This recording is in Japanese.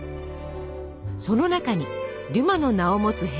その中にデュマの名を持つ部屋も。